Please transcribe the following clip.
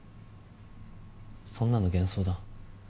そんなの幻想だ。